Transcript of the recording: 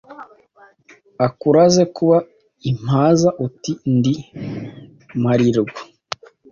Akuraze kuba impaza uti : ndi mparirwa.